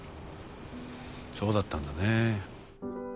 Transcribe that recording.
そうだったんだね。